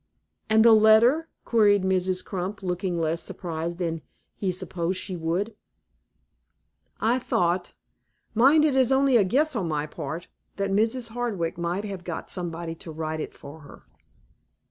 "And the letter?" queried Mrs. Crump, looking less surprised than he supposed she would. "I thought mind it is only a guess on my part that Mrs. Hardwick might have got somebody to write it for her."